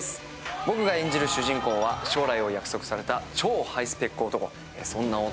僕が演じる主人公は将来を約束された超ハイスペック男。